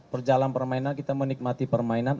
perjalanan permainan kita menikmati permainan